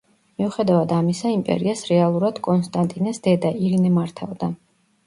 მიუხედავად ამისა, იმპერიას რეალურად კონსტანტინეს დედა, ირინე მართავდა.